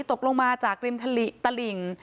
ตกลงมาจากริมทะลิตะหลิง